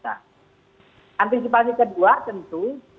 antisipasi kedua tentu